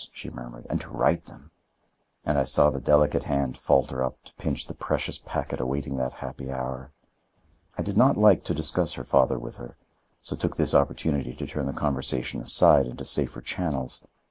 she murmured, "and to write them!" And I saw the delicate hand falter up to pinch the precious packet awaiting that happy hour. I did not like to discuss her father with her, so took this opportunity to turn the conversation aside into safer channels.